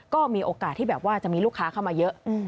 ก็มีโอกาสที่แบบว่าจะมีลูกค้าเข้ามาเยอะ